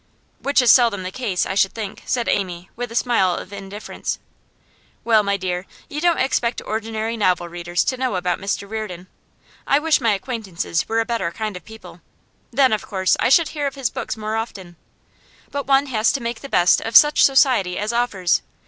'Which is seldom the case, I should think,' said Amy, with a smile of indifference. 'Well, my dear, you don't expect ordinary novel readers to know about Mr Reardon. I wish my acquaintances were a better kind of people; then, of course, I should hear of his books more often. But one has to make the best of such society as offers.